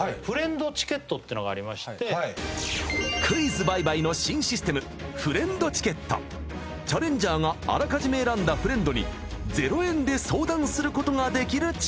フレンドチケットってのがありまして「クイズ！倍買」の新システムフレンドチケットチャレンジャーがあらかじめ選んだフレンドに０円で相談することができる